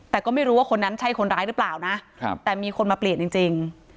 แต่ก็ไม่รู้ว่าคนนั้นใช่คนร้ายหรือเปล่านะแต่มีคนมาเปลี่ยนจริง